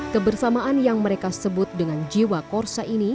kebersamaan yang mereka sebut dengan jiwa korsa ini